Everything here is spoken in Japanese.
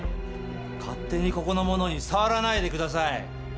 勝手にここのものに触らないでください